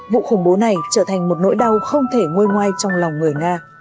vụ khủng bố này trở thành một nỗi đau không thể ngôi ngoài trong lòng người nga